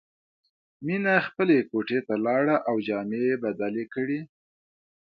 مینه خپلې کوټې ته لاړه او جامې یې بدلې کړې